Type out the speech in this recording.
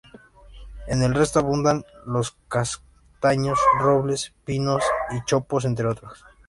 En el resto abundan los castaños, robles, pinos y chopos entre otros.